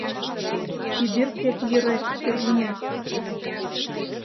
Сибиркет йырет тӱрлымет